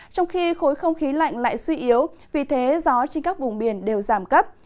trong khi khối không khí lạnh lại suy yếu vì thế gió trên các vùng biển đều giảm cấp